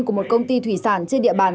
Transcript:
của một công ty thủy sản trên địa bàn